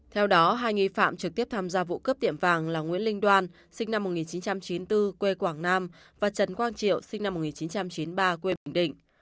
theo đó hai nghi phạm trực tiếp tham gia vụ cướp tiệm vàng là nguyễn linh đoan sinh năm một nghìn chín trăm chín mươi bốn quê quảng nam và trần quang triệu sinh năm một nghìn chín trăm chín mươi ba quê bình định